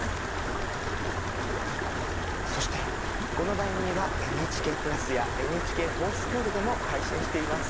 そしてこの番組はＮＨＫプラスやＮＨＫｆｏｒＳｃｈｏｏｌでも配信しています。